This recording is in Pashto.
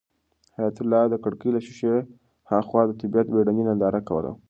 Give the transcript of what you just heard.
حیات الله د کړکۍ له شیشې هاخوا د طبیعت بېړنۍ ننداره کوله.